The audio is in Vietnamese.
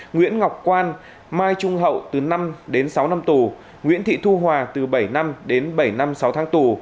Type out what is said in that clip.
nguyễn ngọc quan mai trung hậu từ năm đến sáu năm tù nguyễn thị thu hòa từ bảy năm đến bảy năm sáu tháng tù